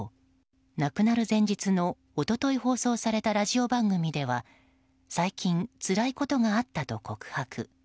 亡くなる前日の一昨日放送されたラジオ番組では最近つらいことがあったと告白。